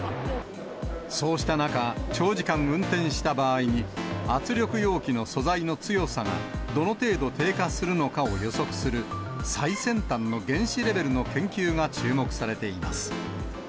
そうした中、長時間運転した場合に、圧力容器の素材の強さがどの程度低下するのかを予測する、最先端の原子レベルの研究が注目されています。